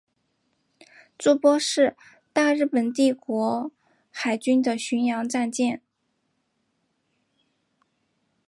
筑波是大日本帝国海军的巡洋战舰。